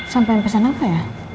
sampein pesen apa ya